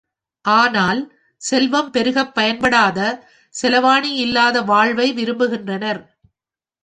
ஆனால், செல்வம் பெருகப் பயன்படாத செலாவணியில்லாத வாழ்வை விரும்புகின்றனர்.